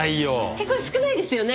えこれ少ないですよね？